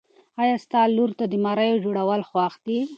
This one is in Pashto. ایا ستا لور ته د مریو جوړول خوښ دي؟